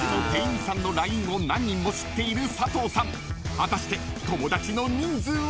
［果たして友だちの人数は？］